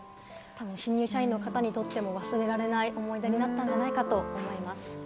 新入社員の方にとっても忘れられない思い出になったんじゃないかなと思います。